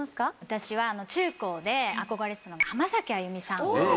私は中・高で憧れてたのが浜崎あゆみさん。